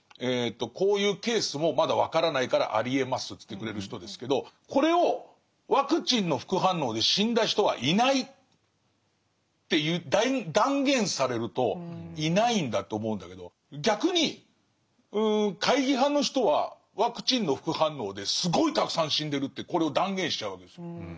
こういうケースもまだ分からないからありえますと言ってくれる人ですけどこれを「ワクチンの副反応で死んだ人はいない」って断言されるといないんだと思うんだけど逆に懐疑派の人は「ワクチンの副反応ですごいたくさん死んでる」ってこれを断言しちゃうわけですよ。